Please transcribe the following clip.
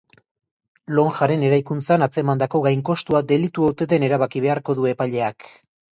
Lonjaren eraikuntzan atzemandako gainkostua delitu ote den erabaki beharko du epaileak.